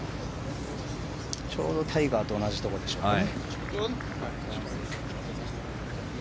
ちょうどタイガーと同じところでしょうね。